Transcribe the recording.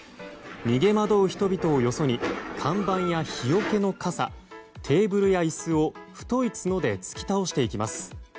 逃げ惑う人々をよそに看板や日よけの傘テーブルや椅子を太い角で突き倒していきます。